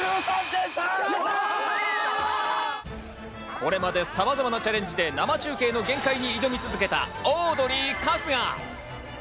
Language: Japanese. これまで、さまざまなチャレンジで生中継の限界に挑み続けた、オードリー・春日。